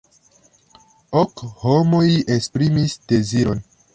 Ok homoj esprimis deziron.